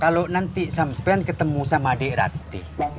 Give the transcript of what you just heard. kalau nanti sampean ketemu sama adik rati